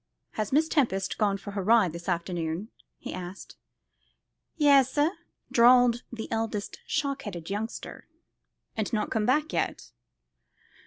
"Has Miss Tempest gone for her ride this afternoon?" he asked. "Ya ase," drawled the eldest shock headed youngster. "And not come back yet?"